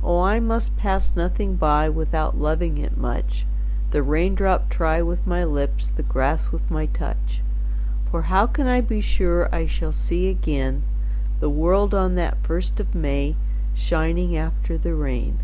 Oh I must pass nothing by Without loving it much, The raindrop try with my lips, The grass with my touch; For how can I be sure I shall see again The world on the first of May Shining after the rain?